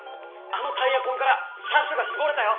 あのタイヤ痕から車種が絞れたよ。